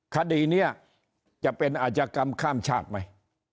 คดีนี้จะเป็นอาชกรรมข้ามชาติไหม